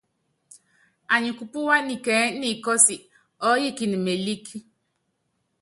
Anyi kupúwá nikɛɛ́ nikɔ́si, ɔɔ́yikini mélíkí.